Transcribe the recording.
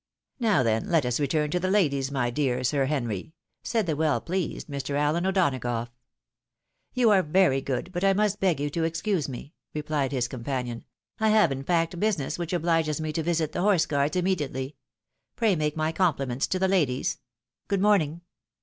" Now, then, let us return 1o the ladies, my dear Sir Henry," said the well pleased Mr. Allen O'Donagough. "You are very good, but I must beg you to excuse me," replied his companion ;" I have, in fact, business which obhges me to visit the Horse guards immediately. Pray make my comphments to the ladies. Good morning